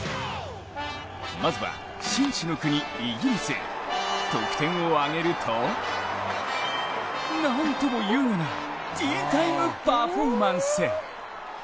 まずは紳士の国・イギリス得点を挙げるとなんとも優雅なティータイムパフォーマンス。